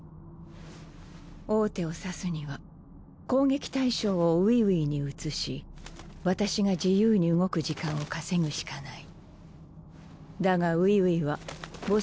王手を指すには攻撃対象を憂憂に移し私が自由に動く時間を稼ぐしかない。